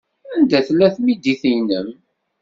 Anda tella tmidit-nnem?